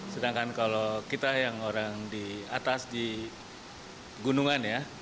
sedangkan kalau kita yang orang di atas di gunungan ya